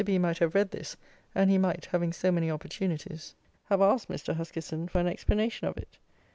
B might have read this; and he might, having so many opportunities, have asked Mr. Huskisson for an explanation of it.